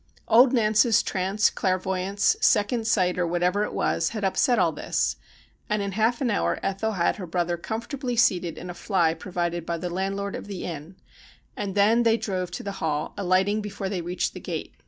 Old Nance's trance, clairvoyance, second sight, or what ever it was, had upset all this ; and in half an hour Ethel had her brother comfortably seated in a fly provided by the landlord of the inn, and then they drove to the Hall, alight ing before they reached the gate.